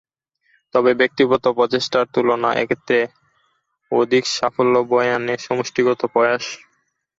তবে ব্যক্তিগত প্রচেষ্টার তুলনায় এক্ষেত্রে অধিক সাফল্য বয়ে আনে সমষ্টিগত প্রয়াস।